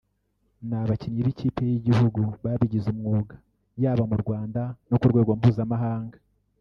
ni abakinnyi b’ikipe y’igihugu babigize umwuga yaba mu Rwanda no ku rwego mpuzamahanga